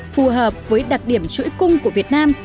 phù hợp với đặc điểm chuỗi cung của việt nam